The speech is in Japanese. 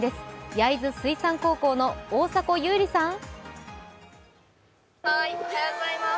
焼津水産高等学校の大迫優里さん。